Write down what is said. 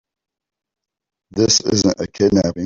This isn't a kidnapping.